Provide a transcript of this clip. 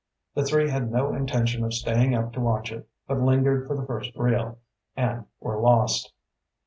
The three had no intention of staying up to watch it, but lingered for the first reel and were lost.